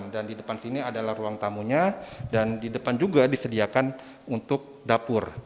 dan di depan sini adalah ruang tamunya dan di depan juga disediakan untuk dapur